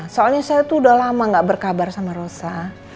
soalnya saya tuh udah lama gak berkabar sama rosa